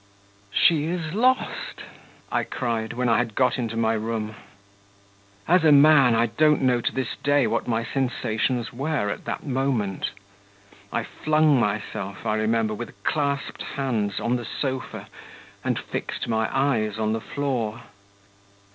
'She is lost!' I cried, when I had got into my room. As a man, I don't know to this day what my sensations were at that moment. I flung myself, I remember, with clasped hands, on the sofa and fixed my eyes on the floor.